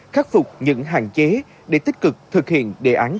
khắc phục những hạn chế để tích cực thực hiện đề án